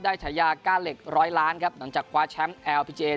ได้ใช้ยากล้าเหล็กร้อยล้านครับหลังจากว่าแชมป์อัลพิจเกะ